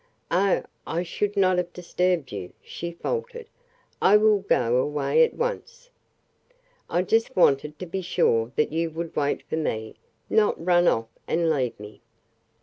"Oh, I should not have disturbed you," she faltered. "I will go away at once. I just wanted to be sure that you would wait for me not run off and leave me."